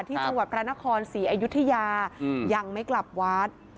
ที่จังหวัดพระนครศรีอยุธยายังไม่กลับวัด